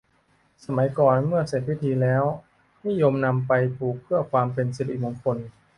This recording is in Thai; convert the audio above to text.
สมัยก่อนเมื่อเสร็จพิธีแล้วนิยมนำไปปลูกเพื่อความเป็นสิริมงคล